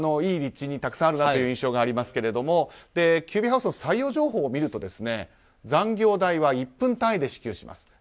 いい立地にたくさんあるなという印象がありますけれどもＱＢＨＯＵＳＥの採用情報を見ると残業代は１分単位で支給します。